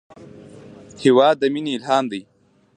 هېواد د مینې الهام دی.